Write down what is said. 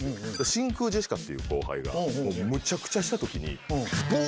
真空ジェシカっていう後輩がむちゃくちゃした時にブ！